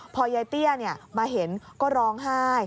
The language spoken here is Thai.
พอยายเตี้ยมาเห็นก็ร้องไห้